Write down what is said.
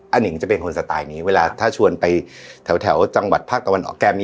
นิงจะเป็นคนสไตล์นี้เวลาถ้าชวนไปแถวจังหวัดภาคตะวันออกแก้มนี้